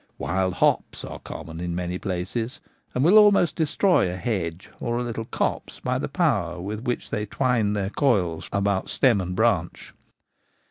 Wild hops are common in many places, and will almost destroy a hedge or a little copse by the power with which they twine their coils about stem and branch.